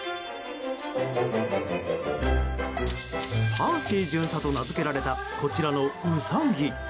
パーシー巡査と名付けられたこちらのウサギ。